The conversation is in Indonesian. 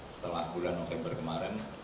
setelah bulan november kemarin